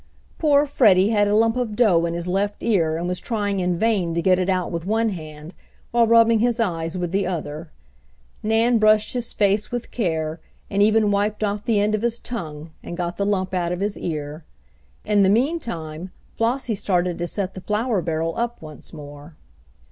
Poor Freddie had a lump of dough in his left ear and was trying in vain to get it out with one hand while rubbing his eyes with the other. Nan brushed his face with care, and even wiped off the end of his tongue, and got the lump out of his ear. In the meantime Flossie started to set the flour barrel up once more.